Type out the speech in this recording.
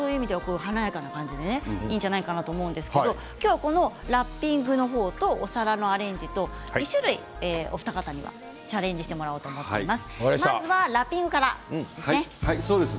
そういう意味では華やかな感じでいいと思うんですけど今日はラッピングとお皿のアレンジと２種類お二方にはチャレンジしてもらおうと思っています。